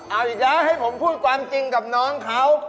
เอาอีกย้าให้ผมพูดความจริงกับน้องเขา